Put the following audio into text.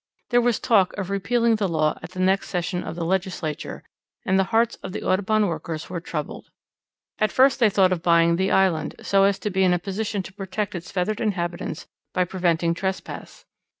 There was talk of repealing the law at the next session of the legislature, and the hearts of the Audubon workers were troubled. At first they thought of buying the island, so as to be in a position to protect its feathered inhabitants by preventing trespass.